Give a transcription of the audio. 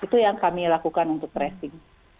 itu yang kami lakukan untuk tracing